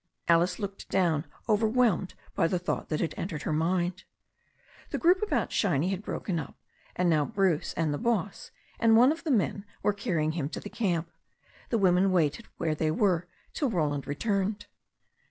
Alice looked down, overwhelmed by the thought that had entered her mind. The group about Shiny had broken up, and now Bruce and the boss and one of the men were carrying him to the camp. The women waited where they were till Roland returned.